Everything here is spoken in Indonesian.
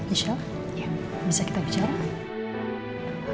insya allah bisa kita bicara